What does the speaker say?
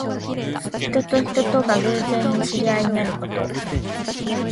人と人とが偶然に知り合いになること。